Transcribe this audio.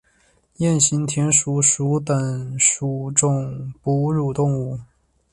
鼹形田鼠属等数种哺乳动物。